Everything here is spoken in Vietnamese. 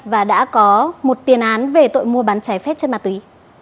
và đã có một tiền án về tội mua bán trái phép chất ma túy